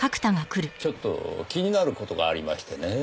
ちょっと気になる事がありましてねぇ。